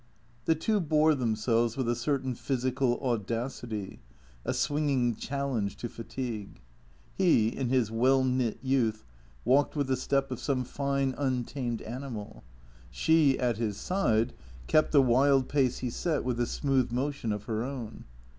The two bore themselves with a certain physical audacity, a swinging challenge to fatigue. He, in his well knit youth, walked with the step of some fine, untamed animal. She, at his side, kept the wild pace he set with a smooth motion of her own.